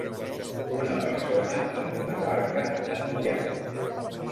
Una persona en una barca en un llac.